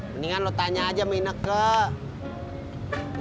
mendingan lo tanya aja minekun